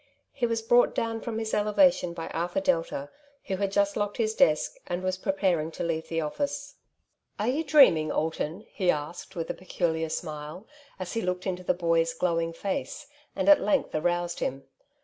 He was brought down from his eleva tion by Arthur Delta, who had just locked his desk, and was preparing to leave the office. " Ai'e you dreaming, Alton ?'' he asked with a peculiar smile, as he looked into the boy's glowing face, and at length aroused him.